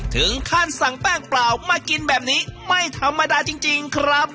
ถึงขั้นสั่งแป้งเปล่ามากินแบบนี้ไม่ธรรมดาจริงครับ